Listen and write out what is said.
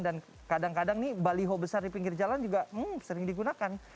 dan kadang kadang nih baliho besar di pinggir jalan juga sering digunakan